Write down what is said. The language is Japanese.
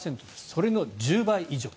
それの１０倍以上。